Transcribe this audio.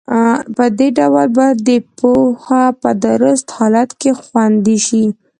په دې ډول به پوهه په درست حالت کې خوندي شي.